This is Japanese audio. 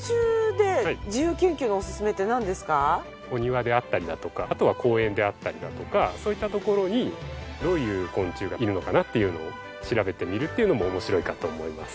お庭であったりだとかあとは公園であったりだとかそういった所にどういう昆虫がいるのかなっていうのを調べてみるっていうのも面白いかと思います。